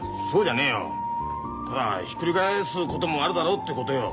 ただひっくり返すこともあるだろってことよ。